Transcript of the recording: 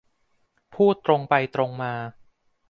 พูดตรงไปตรงมา